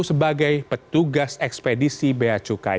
sebagai petugas ekspedisi bea cukai